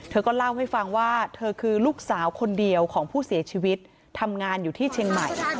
เธอก็เล่าให้ฟังว่าเธอคือลูกสาวคนเดียวของผู้เสียชีวิตทำงานอยู่ที่เชียงใหม่